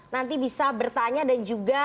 nanti bisa bertanya dan juga